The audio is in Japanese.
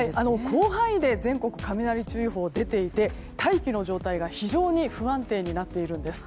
広範囲で全国雷注意報出ていて大気の状態が、非常に不安定になっているんです。